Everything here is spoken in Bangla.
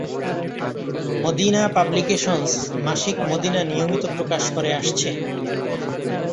মদীনা পাবলিকেশন্স মাসিক মদীনা নিয়মিত প্রকাশ করে আসছে।